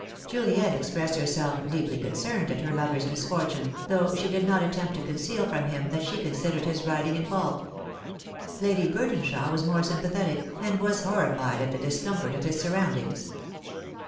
Juliet expressed herself deeply concerned at her lover's misfortune, though she did not attempt to conceal from him that she considered his riding in fault. Lady Burden shaw was more sympathetic, and was horrified at the discomfort of his surroundings.